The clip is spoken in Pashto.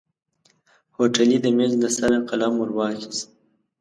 هوټلي د ميز له سره قلم ور واخيست.